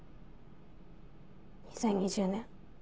２０２０年。